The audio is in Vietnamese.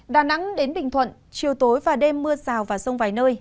đà nẵng đến bình thuận chiều tối và đêm mưa rào và rông vài nơi